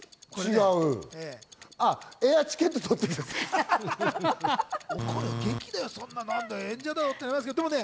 あ、エアチケットとってください。